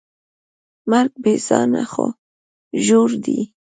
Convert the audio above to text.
مرګ بېځانه خو ژور دی.